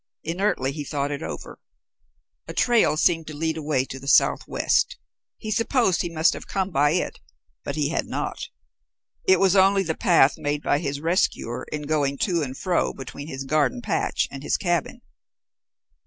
Inertly he thought over it. A trail seemed to lead away to the southwest. He supposed he must have come by it, but he had not. It was only the path made by his rescuer in going to and fro between his garden patch and his cabin.